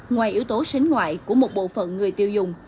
ngoài yếu tố sánh ngoại của một bộ phận người tiêu dùng